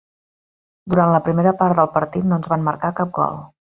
Durant la primera part del partit no ens van marcar cap gol.